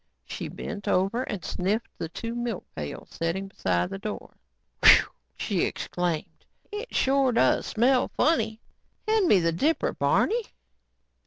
She bent over and sniffed at the two milk pails setting beside the door. "Whew," she exclaimed, "it sure does smell funny. Hand me that dipper, Barney."